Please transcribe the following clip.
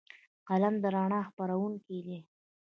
قلم د رڼا خپروونکی دی